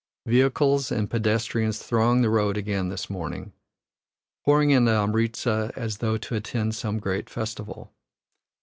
Vehicles and pedestrians throng the road again this morning, pouring into Amritza as though to attend some great festival.